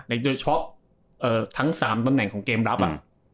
อ่าโดยเฉพาะเอ่อทั้ง๓ตำแหน่งของเกมรับอ่ะอืม